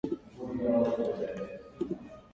Thus procedural knowledge can frequently eclipse theory.